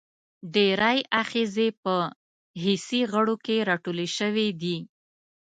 ډېری آخذې په حسي غړو کې را ټولې شوي دي.